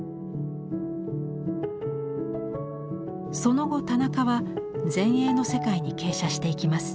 その後田中は前衛の世界に傾斜していきます。